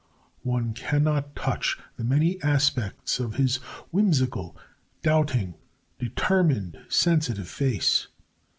One cannot touch the many aspects of his whimsical, doubting, determined, sensitive face.